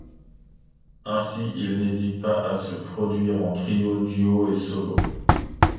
Ainsi il n'hésite pas à se produire en trio, duo et solo.